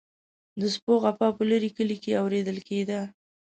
د سپو غپا په لرې کلي کې اوریدل کیده.